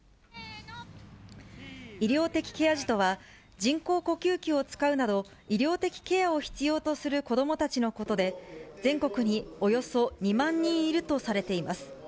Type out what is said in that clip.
医療的ケア児とは、人工呼吸器を使うなど、医療的ケアを必要とする子どもたちのことで、全国におよそ２万人いるとされています。